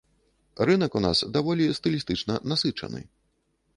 Рынак у нас даволі стылістычна насычаны.